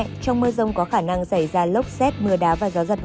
trong mưa rông có khả năng dài rác